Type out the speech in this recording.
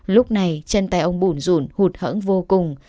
lúc này chân tay ông bùn rùn hụt hẫn vô cùng